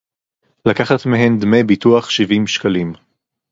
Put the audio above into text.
לקחת מהן דמי ביטוח שבעים שקלים